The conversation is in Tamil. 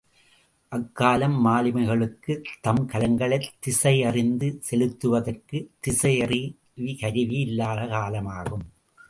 அக்காலம் மாலுமிகளுக்குத் தம் கலங்களைத் திசையறிந்து செலுத்துதற்குத் திசையறி கருவி இல்லாத காலமாகும்.